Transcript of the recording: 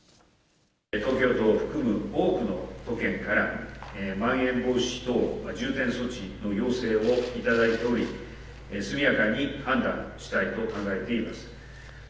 東京都を含む多くの都県から、まん延防止等重点措置の要請を頂いており、速やかに判断したいと考えています。